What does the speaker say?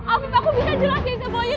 aku bisa jelasin semuanya